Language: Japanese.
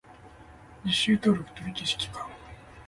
履修登録取り消し期間